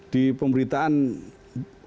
di pemberitaan program